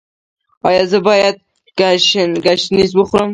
ایا زه باید ګشنیز وخورم؟